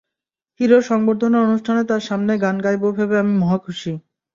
হিরোর সংবর্ধনা অনুষ্ঠানে তাঁর সামনে গান গাইব ভেবে আমি মহা খুশি।